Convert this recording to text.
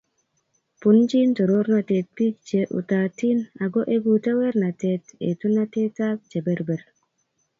Punjin toroornatet piik che utaatiin, ago egu teweernateet etunatetap che perber.